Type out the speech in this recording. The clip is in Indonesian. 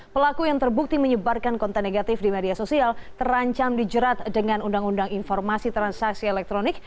pelaku yang terbukti menyebarkan konten negatif di media sosial terancam dijerat dengan undang undang informasi transaksi elektronik